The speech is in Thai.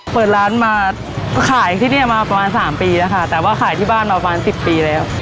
เปิดร้านมาขายที่นี่มาประมาณ๓ปีแล้วค่ะแต่ว่าขายที่บ้านมาประมาณสิบปีแล้ว